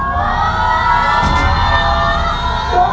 ที่นี่คือพี่อ้อมเลือก